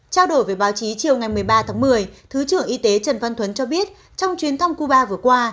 trao đổi với báo chí chiều ngày một mươi ba tháng một mươi thứ trưởng y tế trần văn thuấn cho biết trong chuyến thăm cuba vừa qua